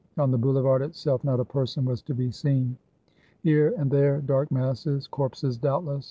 On the Boulevard itself, not a person was to be seen. Here and there dark masses, corpses doubtless.